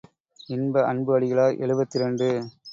இன்ப அன்பு அடிகளார் எழுபத்திரண்டு.